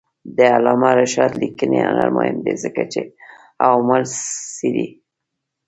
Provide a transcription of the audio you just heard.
د علامه رشاد لیکنی هنر مهم دی ځکه چې عوامل څېړي.